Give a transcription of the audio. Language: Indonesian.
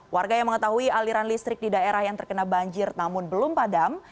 warga yang mengetahui aliran listrik di daerah yang terkena banjir namun belum padam